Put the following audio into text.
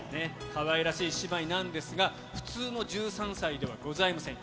かわいらしい姉妹なんですが、普通の１３歳ではございません。